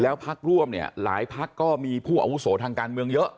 พักร่วมเนี่ยหลายพักก็มีผู้อาวุโสทางการเมืองเยอะ